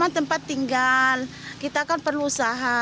di sana cuma tempat tinggal kita kan perlu usaha